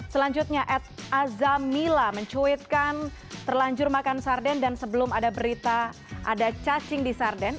selanjutnya at azamila mencuitkan terlanjur makan sarden dan sebelum ada berita ada cacing di sarden